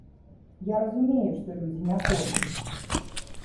Я разумею, што людзі не хочуць.